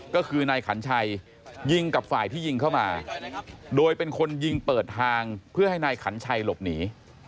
ก็คือนายขันชัยยิงกับฝ่ายที่ยิงเข้ามาโดยเป็นคนยิงเปิดทางเพื่อให้นายขันชัยหลบหนี